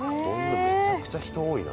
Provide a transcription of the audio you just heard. めちゃくちゃ人多いな。